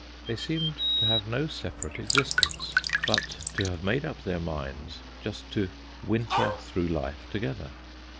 They seemed to have no separate existence, but to have made up their minds just to winter through life together.